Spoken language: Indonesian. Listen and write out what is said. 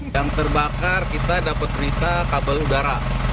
yang terbakar kita dapat berita kabel udara